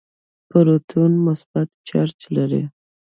پروټون مثبت چارج لري.